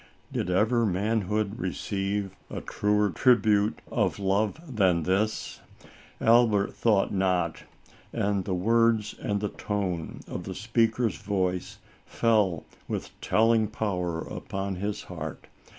'' Did ever manhood receive a truer tribute of love than this? Albert thought not, and the words and the tone of the speaker's voice fell, with telling power, upon his heart.